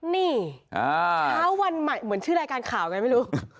นี่เช้าวันใหม่เหมือนชื่อรายการข่าวไงไม่รู้